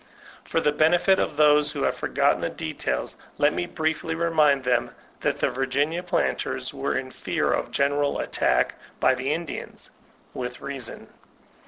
For the benefit of those who have forgotten the details, let me briefly remind them that the Virginia planters were in fear of a general attack by the Indians; with reason.